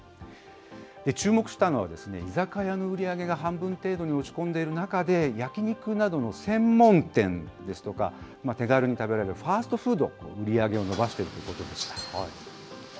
注目したのは、居酒屋の売り上げが半分程度に落ち込んでいる中で、焼き肉などの専門店ですとか、手軽に食べられるファストフードは、売り上げを伸ばしているということでした。